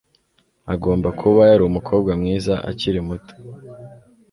Agomba kuba yari umukobwa mwiza akiri muto